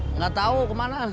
nggak tahu kemana